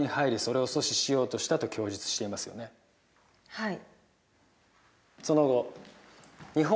はい。